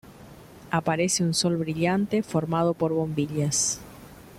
Aparece un sol brillante formado por bombillas.